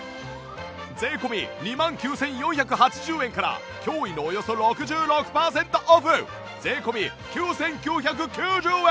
税込２万９４８０円から驚異のおよそ６６パーセントオフ税込９９９０円！